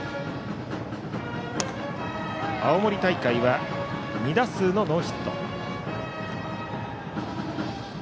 青森大会は２打数のノーヒット。